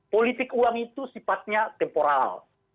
politik uang itu sifatnya temporal